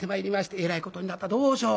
「えらいことになったどうしよう。